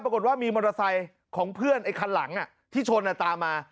ปรากฏว่ามีมอเตอร์ไซค์ของเพื่อนไอ้คันหลังที่ชนตามมา